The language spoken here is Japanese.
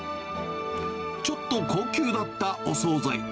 ちょっと高級だったお総菜。